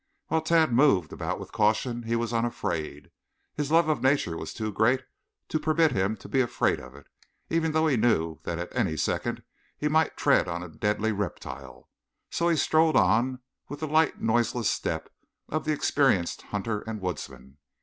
While Tad moved about with caution, he was unafraid. His love of nature was too great to permit him to be afraid of it; even though he knew that at any second he might tread on a deadly reptile, so he strode on with the light, noiseless step of the experienced hunter and woodsman.